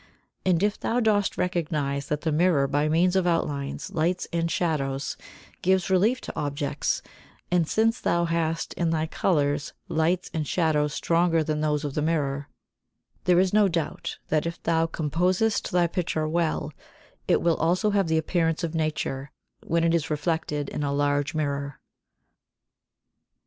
And if thou dost recognize that the mirror by means of outlines, lights and shadows gives relief to objects, and since thou hast in thy colours lights and shadows stronger than those of the mirror, there is no doubt that if thou composest thy picture well, it will also have the appearance of nature when it is reflected in a large mirror.